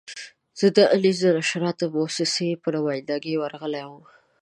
زه د انیس د نشراتي مؤسسې په نماینده ګي ورغلی وم.